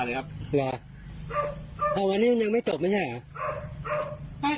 หรือวันนี้ยังไม่จบไม่ใช่หรือ